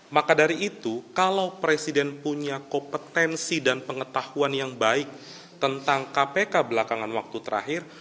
maka dari itu kalau presiden punya kompetensi dan pengetahuan yang baik tentang kpk belakangan waktu terakhir